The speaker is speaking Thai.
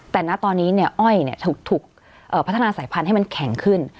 แต่ณตอนนี้อ้อยถูกพัฒนาสายพันธุ์ให้มันแข็งขึ้น